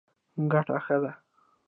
ګټه ښه ده.